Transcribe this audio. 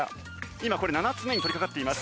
今これ７つ目に取りかかっています。